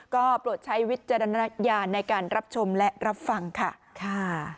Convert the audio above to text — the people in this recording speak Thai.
ก็โปรดใช้วิจารณญาณในการรับชมและรับฟังค่ะ